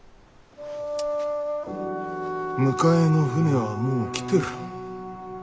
迎えの船はもう来てる。